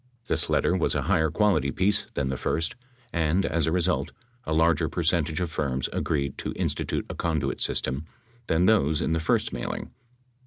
This letter was a higher quality piece than the first, and as a result, a larger percentage of firms agreed to institute a conduit system than those in the first mailing.